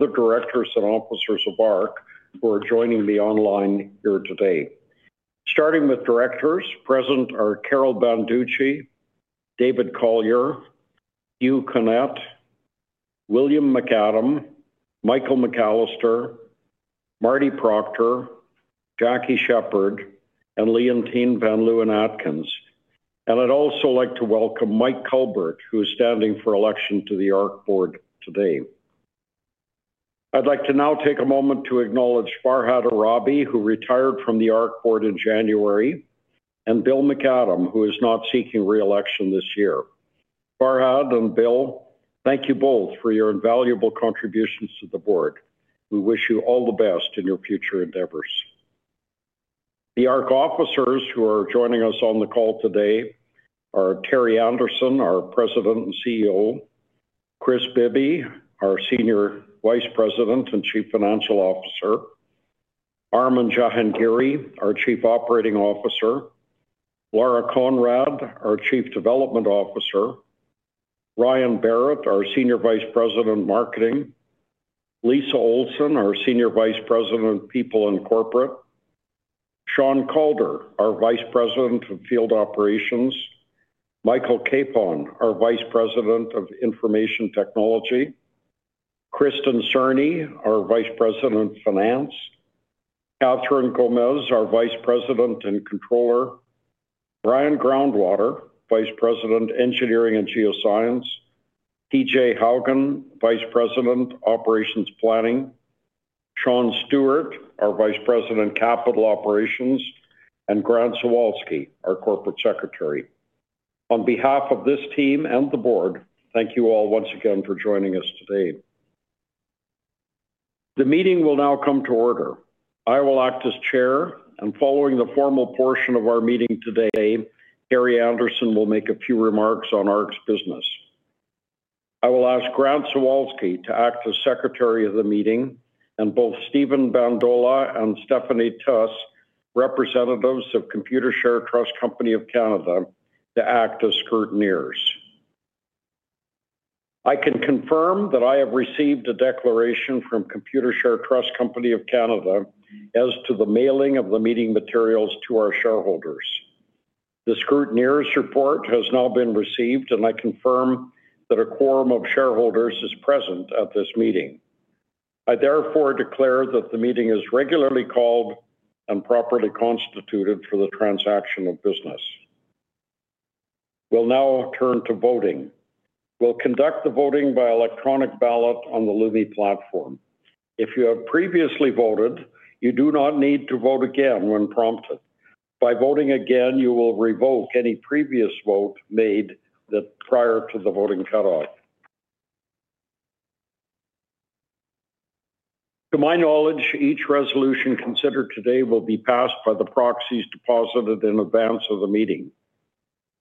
The directors and officers of ARC who are joining me online here today. Starting with directors, present are Carol Banducci, David Collyer, Hugh Connett, William McAdam, Michael McAllister, Marty Proctor, Jackie Sheppard, and Leontyne van Leeuwen-Atkins. I'd also like to welcome Mike Culbert, who is standing for election to the ARC Board today. I'd like to now take a moment to acknowledge Farhad Ahrabi who retired from the ARC Board in January, and Bill McAdam, who is not seeking reelection this year. Farhad and Bill, thank you both for your invaluable contributions to the board. We wish you all the best in your future endeavors. The ARC officers who are joining us on the call today are Terry Anderson, our President and CEO; Kris Bibby, our Senior Vice President and Chief Financial Officer; Armin Jahangiri, our Chief Operating Officer; Lara Conrad, our Chief Development Officer; Ryan Berrett, our Senior Vice President Marketing; Lisa Olsen, our Senior Vice President People and Corporate; Sean Calder, our Vice President of Field Operations; Mike Capon, our Vice President of Information Technology; Kristen Cerny, our Vice President Finance; Kathryn Gomes, our Vice President and Controller; Brian Groundwater, Vice President Engineering and Geoscience; T-Jay Haugen, Vice President Operations Planning; Sean Stuart, our Vice President Capital Operations; and Grant Zawalsky, our Corporate Secretary. On behalf of this team and the board, thank you all once again for joining us today. The meeting will now come to order. I will act as chair, and following the formal portion of our meeting today, Terry Anderson will make a few remarks on ARC's business. I will ask Grant Zawalsky to act as secretary of the meeting, and both Stephen Bandola and Stephanie Tuss, representatives of Computershare Trust Company of Canada, to act as scrutineers. I can confirm that I have received a declaration from Computershare Trust Company of Canada as to the mailing of the meeting materials to our shareholders. The scrutineer's report has now been received, and I confirm that a quorum of shareholders is present at this meeting. I therefore declare that the meeting is regularly called and properly constituted for the transaction of business. We'll now turn to voting. We'll conduct the voting by electronic ballot on the Lumi platform. If you have previously voted, you do not need to vote again when prompted. By voting again, you will revoke any previous vote made prior to the voting cutoff. To my knowledge, each resolution considered today will be passed by the proxies deposited in advance of the meeting.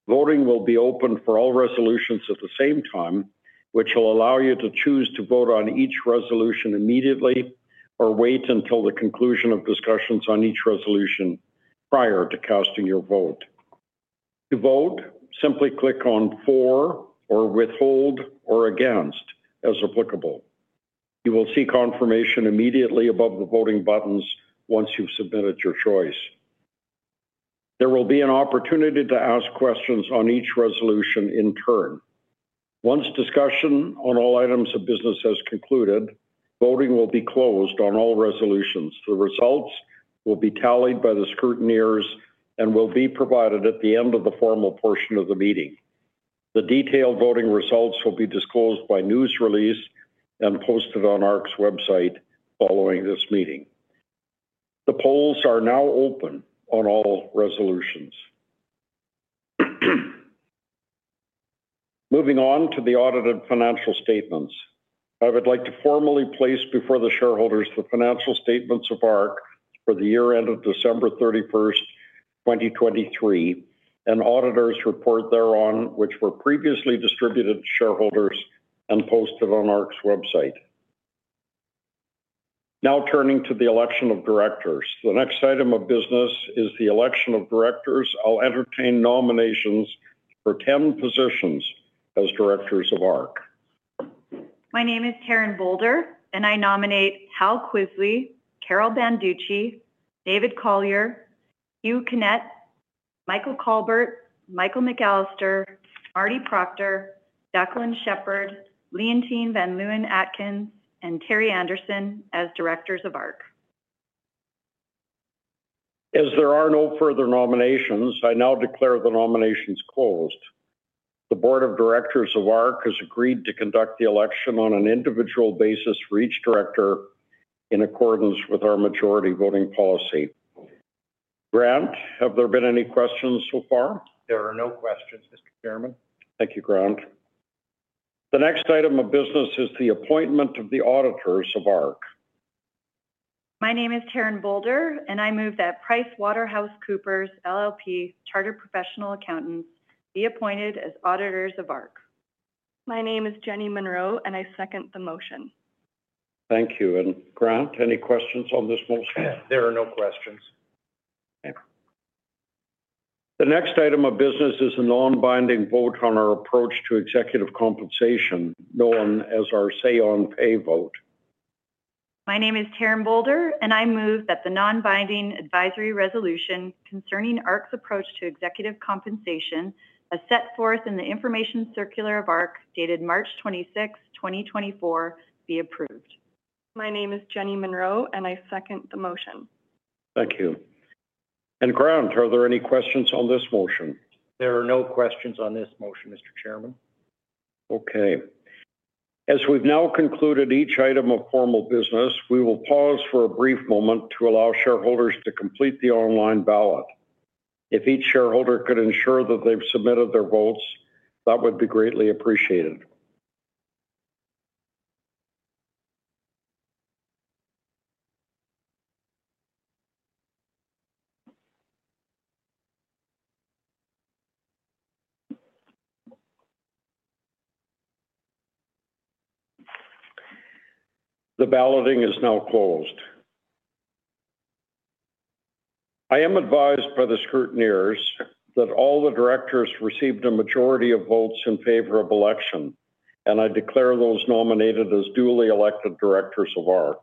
Voting will be open for all resolutions at the same time, which will allow you to choose to vote on each resolution immediately or wait until the conclusion of discussions on each resolution prior to casting your vote. To vote, simply click on for, or withhold, or against as applicable. You will see confirmation immediately above the voting buttons once you've submitted your choice. There will be an opportunity to ask questions on each resolution in turn. Once discussion on all items of business has concluded, voting will be closed on all resolutions. The results will be tallied by the scrutineers and will be provided at the end of the formal portion of the meeting. The detailed voting results will be disclosed by news release and posted on ARC's website following this meeting. The polls are now open on all resolutions. Moving on to the audited financial statements. I would like to formally place before the shareholders the financial statements of ARC for the year end of December 31st, 2023, and auditor's report thereon which were previously distributed to shareholders and posted on ARC's website. Now turning to the election of directors. The next item of business is the election of directors. I'll entertain nominations for 10 positions as directors of ARC. My name is Taryn Bolder, and I nominate Hal Kvisle, Carol Banducci, David Collyer, Hugh Connett, Michael Culbert, Michael McAllister, Marty Proctor, Jackie Sheppard, Leontyne van Leeuwen-Atkins, and Terry Anderson as directors of ARC. As there are no further nominations, I now declare the nominations closed. The board of directors of ARC has agreed to conduct the election on an individual basis for each director in accordance with our majority voting policy. Grant, have there been any questions so far? There are no questions, Mr. Chairman. Thank you, Grant. The next item of business is the appointment of the auditors of ARC. My name is Taryn Bolder, and I move that PricewaterhouseCoopers LLP, chartered professional accountants, be appointed as auditors of ARC. My name is Jenny Munro, and I second the motion. Thank you. Grant, any questions on this motion? There are no questions. Okay. The next item of business is a non-binding vote on our approach to executive compensation, known as our Say-on-Pay vote. My name is Taryn Bolder, and I move that the non-binding advisory resolution concerning ARC's approach to executive compensation as set forth in the information circular of ARC dated March 26, 2024, be approved. My name is Jenny Munro, and I second the motion. Thank you. Grant, are there any questions on this motion? There are no questions on this motion, Mr. Chairman. Okay. As we've now concluded each item of formal business, we will pause for a brief moment to allow shareholders to complete the online ballot. If each shareholder could ensure that they've submitted their votes, that would be greatly appreciated. The balloting is now closed. I am advised by the scrutineers that all the directors received a majority of votes in favor of election, and I declare those nominated as duly elected directors of ARC.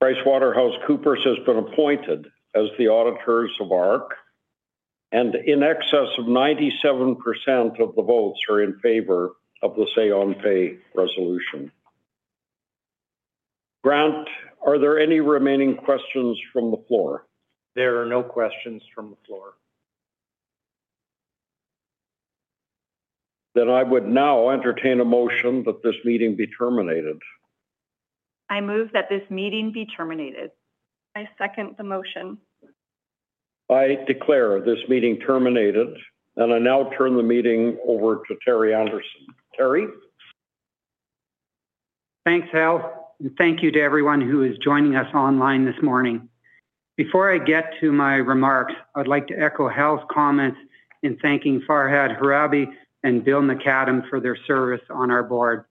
PricewaterhouseCoopers has been appointed as the auditors of ARC, and in excess of 97% of the votes are in favor of the say-on-pay resolution. Grant, are there any remaining questions from the floor? There are no questions from the floor. I would now entertain a motion that this meeting be terminated. I move that this meeting be terminated. I second the motion. I declare this meeting terminated, and I now turn the meeting over to Terry Anderson. Terry? Thanks, Hal, and thank you to everyone who is joining us online this morning. Before I get to my remarks, I'd like to echo Hal's comments in thanking Farhad Ahrabi and Bill McAdam for their service on our board.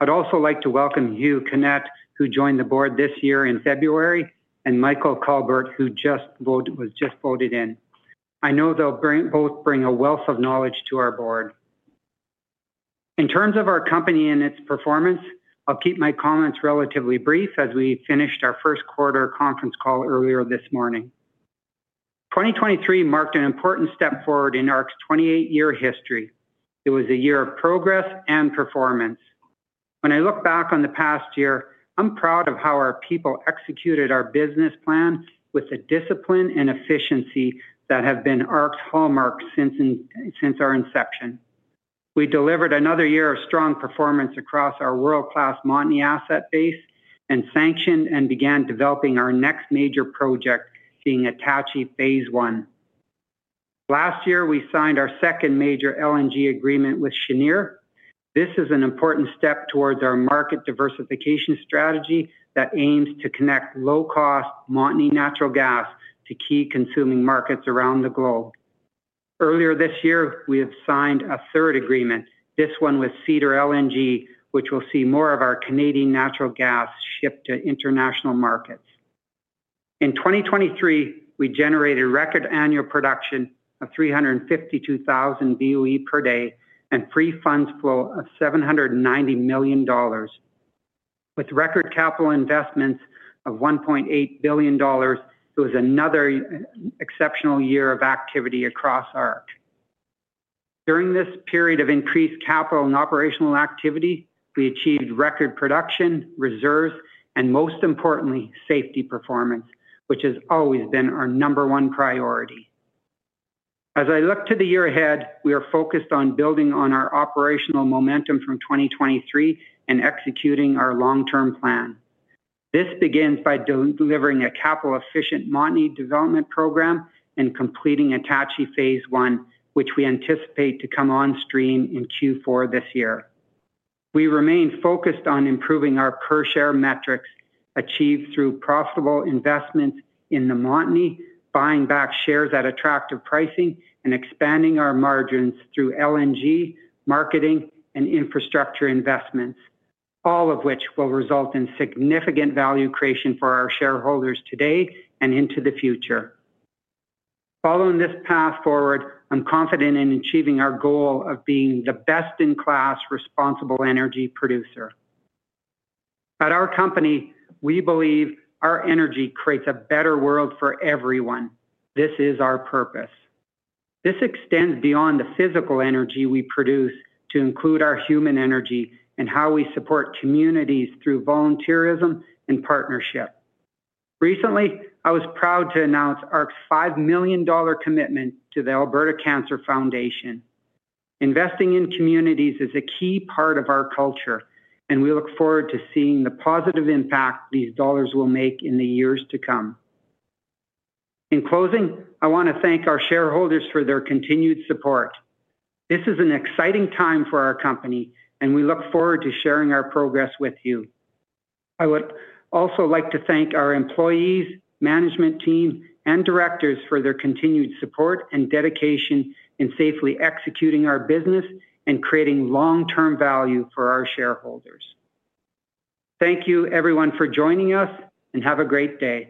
I'd also like to welcome Hugh Connett, who joined the board this year in February, and Michael Culbert, who just voted in. I know they'll both bring a wealth of knowledge to our board. In terms of our company and its performance, I'll keep my comments relatively brief as we finished our first quarter conference call earlier this morning. 2023 marked an important step forward in ARC's 28-year history. It was a year of progress and performance. When I look back on the past year, I'm proud of how our people executed our business plan with the discipline and efficiency that have been ARC's hallmarks since our inception. We delivered another year of strong performance across our world-class Montney asset base and sanctioned and began developing our next major project, being Attachie Phase I. Last year, we signed our second major LNG agreement with Cheniere. This is an important step towards our market diversification strategy that aims to connect low-cost Montney natural gas to key consuming markets around the globe. Earlier this year, we have signed a third agreement, this one with Cedar LNG, which will see more of our Canadian natural gas shipped to international markets. In 2023, we generated record annual production of 352,000 BOE per day and free funds flow of 790 million dollars. With record capital investments of 1.8 billion dollars, it was another exceptional year of activity across ARC. During this period of increased capital and operational activity, we achieved record production, reserves, and most importantly, safety performance, which has always been our number one priority. As I look to the year ahead, we are focused on building on our operational momentum from 2023 and executing our long-term plan. This begins by delivering a capital-efficient Montney development program and completing Attachie Phase I, which we anticipate to come on stream in Q4 this year. We remain focused on improving our per-share metrics achieved through profitable investments in the Montney, buying back shares at attractive pricing, and expanding our margins through LNG, marketing, and infrastructure investments, all of which will result in significant value creation for our shareholders today and into the future. Following this path forward, I'm confident in achieving our goal of being the best-in-class responsible energy producer. At our company, we believe our energy creates a better world for everyone. This is our purpose. This extends beyond the physical energy we produce to include our human energy and how we support communities through volunteerism and partnership. Recently, I was proud to announce ARC's 5 million dollar commitment to the Alberta Cancer Foundation. Investing in communities is a key part of our culture, and we look forward to seeing the positive impact these dollars will make in the years to come. In closing, I want to thank our shareholders for their continued support. This is an exciting time for our company, and we look forward to sharing our progress with you. I would also like to thank our employees, management team, and directors for their continued support and dedication in safely executing our business and creating long-term value for our shareholders. Thank you, everyone, for joining us, and have a great day.